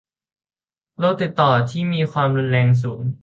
โรคติดต่อที่มีความรุนแรงสูง